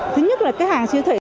thứ nhất là cái hàng siêu thị